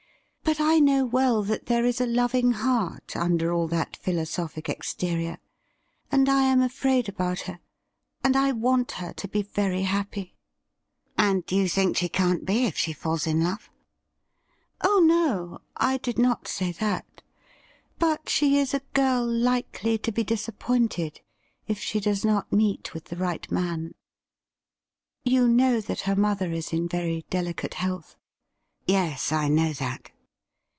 But I know well that there is a loving heart under all that philosophic exterior, and I am afraid about her, and I want her to be very happy.' * And you think she can't be if she falls in love ?' 60 THE RIDDLE RING ' Oh no ; I did not say that. But she is a girl likely to be disappointed if she does not meet with the right man. You know that her mother is in very delicate health ?'' Yes, I know that.'